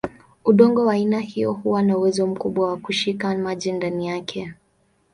Udongo wa aina hiyo huwa na uwezo mkubwa wa kushika maji ndani yake.